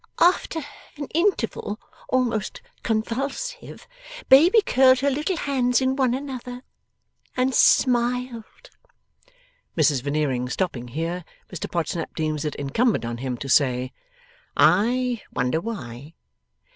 'After an interval almost convulsive, Baby curled her little hands in one another and smiled.' Mrs Veneering stopping here, Mr Podsnap deems it incumbent on him to say: 'I wonder why!